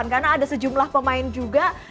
karena ada sejumlah pemain juga